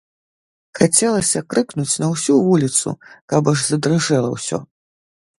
Хацелася крыкнуць на ўсю вуліцу, каб аж задрыжэла ўсё.